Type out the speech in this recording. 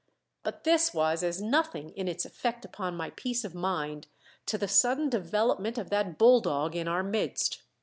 But this was as nothing in its effect upon my peace of mind to the sudden development of that bulldog in our midst.